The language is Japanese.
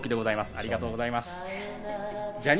ありがとうございます。